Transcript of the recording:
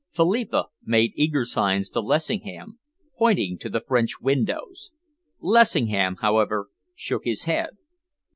Philippa made eager signs to Lessingham, pointing to the French windows. Lessingham, however, shook his head.